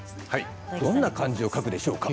どんな漢字を書くでしょうか？